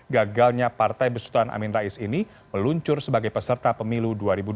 gagalnya partai besutan amin rais ini meluncur sebagai peserta pemilu dua ribu dua puluh